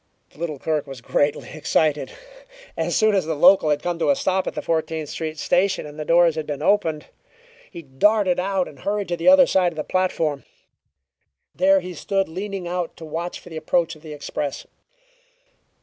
The little clerk was greatly excited. As soon as the local had come to a stop at the Fourteenth Street Station and the doors had been opened, he darted out and hurried to the other side of the platform. There he stood leaning out to watch for the approach of the express.